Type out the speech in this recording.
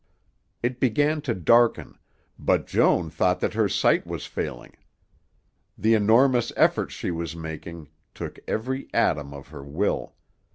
It began to darken, but Joan thought that her sight was failing. The enormous efforts she was making took every atom of her will.